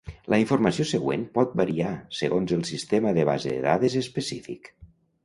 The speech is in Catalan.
La informació següent pot variar segons el sistema de base de dades específic.